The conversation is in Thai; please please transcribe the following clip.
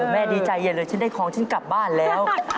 แม่ดีใจใหญ่เลยฉันได้ของฉันกลับบ้านแล้ว